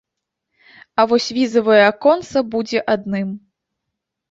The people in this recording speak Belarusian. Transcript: А вось візавае аконца будзе адным.